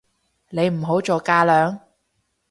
你唔好做架樑